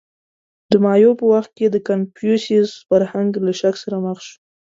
• د مایو په وخت کې د کنفوسیوس فرهنګ له شک سره مخ شو.